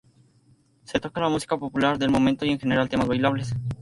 Se toca la música popular del momento y en general temas bailables.